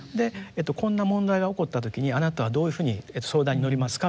こんな問題が起こった時にあなたはどういうふうに相談に乗りますか？